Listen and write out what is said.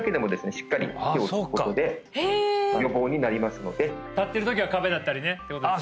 しっかり手をつくことで予防になりますので立ってるときは壁だったりねああ